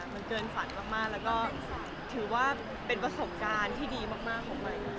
มันเกินฝันมากแล้วก็ถือว่าเป็นประสบการณ์ที่ดีมากของมัน